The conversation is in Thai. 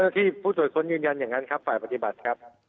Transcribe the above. ที่ผู้ตรวจค้นยืนยันอย่างนั้นครับฝ่ายปฏิบัติครับ